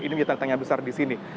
ini menjadi tantangan besar di sini